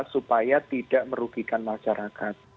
supaya tidak merugikan masyarakat